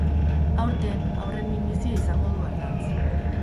Aurten haurren minbizia izango du ardatz.